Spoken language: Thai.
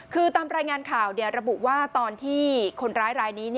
คือตามรายงานข่าวระบุว่าตอนที่คนร้ายรายนี้